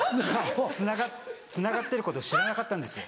つながってることを知らなかったんですよ。